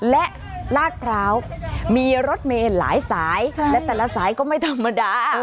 และลาดพร้าวมีรถเมย์หลายสายและแต่ละสายก็ไม่ธรรมดา